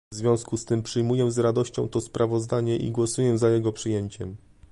W związku z tym przyjmuję z radością to sprawozdanie i głosuję za jego przyjęciem